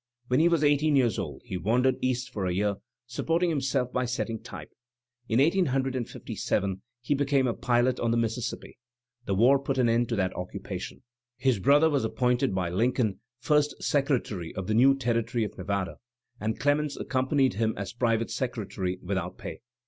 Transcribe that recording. When he was eighteen years old he wandered east for a year, supporting himself by setting type. In 1857 he became a pilot on the Mississippi. The war put an end to that occupation. His brother was appointed by Lincoln first Secretary of the new Territory of Nevada, and Clemens accompanied him as private secretary without pay.